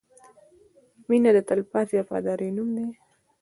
• مینه د تلپاتې وفادارۍ نوم دی.